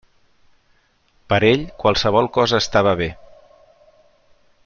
Per a ell qualsevol cosa estava bé.